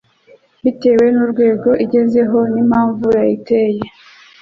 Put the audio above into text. bitewe n'urwego igezeho n'impamvu yayiteye.